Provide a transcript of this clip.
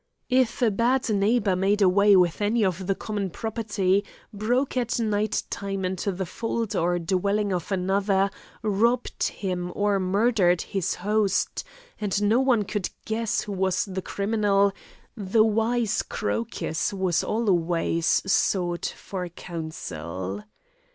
If a bad neighbour made away with any of the common property, broke at night time into the fold or dwelling of another, robbed him, or murdered his host, and no one could guess who was the criminal, the wise Crocus was always sought for counsel.